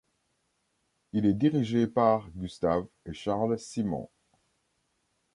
Il est dirigé par Gustave et Charles Simon.